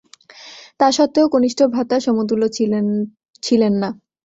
তাসত্ত্বেও কনিষ্ঠ ভ্রাতার সমতুল্য ছিলেন না।